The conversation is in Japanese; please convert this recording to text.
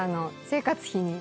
生活費に。